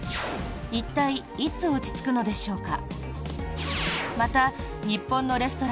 一体いつ落ち着くのでしょうか？